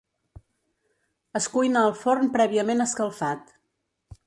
Es cuina al forn prèviament escalfat.